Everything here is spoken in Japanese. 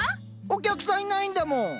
お客さんいないんだもん。